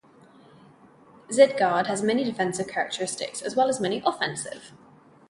Z-guard has many defensive characteristics as well as many offensive.